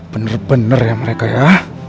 bener bener ya mereka ya